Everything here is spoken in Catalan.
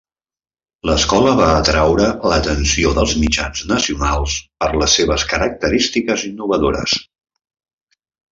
L'escola va atraure l'atenció dels mitjans nacionals per les seves característiques innovadores.